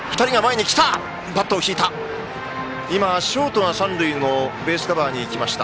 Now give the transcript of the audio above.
今、ショートが三塁のベースカバーに行きました。